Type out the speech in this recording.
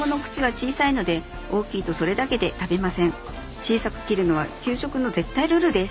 小さく切るのは給食の絶対ルールです。